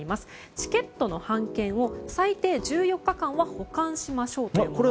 チケットの半券を最低１４日間は保管しましょう。